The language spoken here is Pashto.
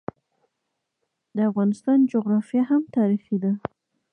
د افغانستان جغرافیه هم تاریخي ده.